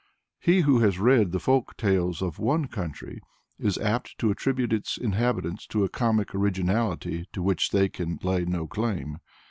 He who has read the folk tales of one country only, is apt to attribute to its inhabitants a comic originality to which they can lay no claim.